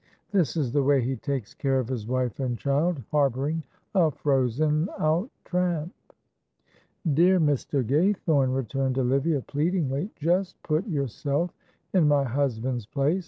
This is the way he takes care of his wife and child, harbouring a frozen out tramp." "Dear Mr. Gaythorne," returned Olivia, pleadingly, "just put yourself in my husband's place.